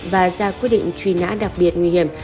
và ra quyết định truy nã đặc biệt nguy hiểm